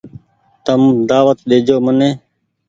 تم دآوت ڏيجو مني ۔